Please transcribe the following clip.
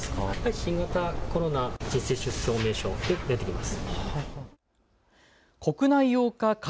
新型コロナ接種証明書で出てきます。